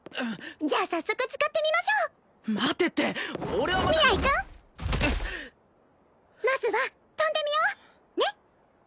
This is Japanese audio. じゃあ早速使ってみましょう待てって俺はまだ明日君まずは飛んでみようねっ！